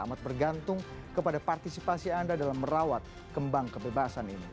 amat bergantung kepada partisipasi anda dalam merawat kembang kebebasan ini